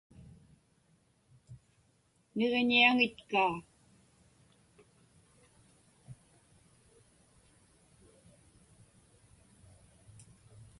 Niġiñiaŋitkaa.